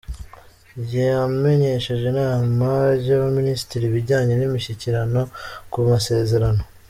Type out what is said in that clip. yamenyesheje Inama y‟Abaminisitiri ibijyanye n‟imishyikirano ku masezerano